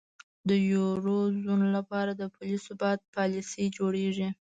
د یورو زون لپاره د پولي ثبات پالیسۍ جوړیږي.